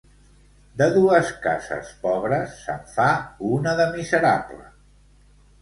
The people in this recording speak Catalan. De dues cases pobres se'n fa una de miserable.